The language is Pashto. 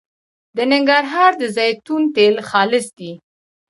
د ننګرهار د زیتون تېل خالص دي